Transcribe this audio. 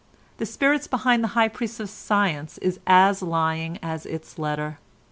The spirit behind the High Priests of Science is as lying as its letter.